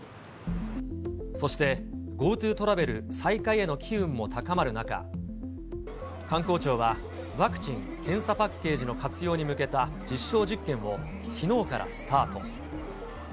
そしてＧｏＴｏトラベル再開への機運も高まる中、観光庁はワクチン・検査パッケージの活用に向けた実証実験をきのうからスタート。